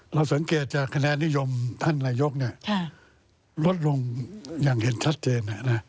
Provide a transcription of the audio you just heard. เราสังเกตจากคะแนนนิยมท่านนายกลดลงอย่างเห็นชัดเจน